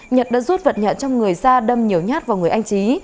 nhật đã rút vật nhậm trong người ra đâm nhiều nhát vào người anh trí